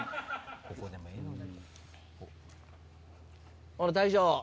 ここでもええのに。